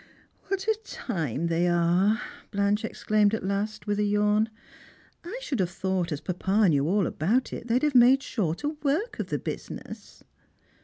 " What a time they are !" Blanche exclaimed at last, with a yawn. " I should have thought, as papa knew all about it, they'd have made shorter work of the business."